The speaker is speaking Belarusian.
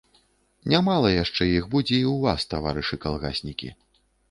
Нямала яшчэ іх будзе і ў вас, таварышы калгаснікі.